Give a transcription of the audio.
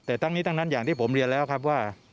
แต่ทั้งนี้ทั้งนั้นอย่างที่ผมเรียนแล้วครับว่า